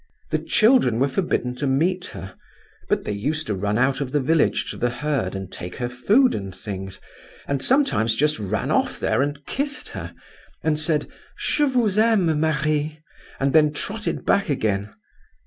The children were forbidden to meet her; but they used to run out of the village to the herd and take her food and things; and sometimes just ran off there and kissed her, and said, 'Je vous aime, Marie!' and then trotted back again.